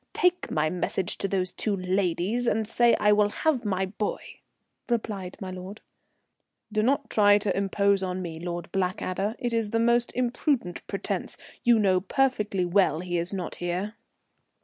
Take my message to those two ladies and say I will have my boy," replied my lord. "Do not try to impose on me, Lord Blackadder. It is the most impudent pretence; you know perfectly well he is not here."